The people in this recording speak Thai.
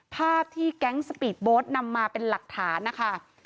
ภาพที่แก๊งสปีดโบ๊ทนำมาเป็นหลักฐานนะคะ